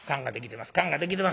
もうできてます。